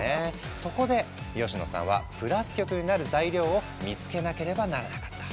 そこで吉野さんはプラス極になる材料を見つけなければならなかった。